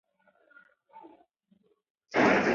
ښوونځې تللې مور د روغتیايي لارښوونو پیروي کوي.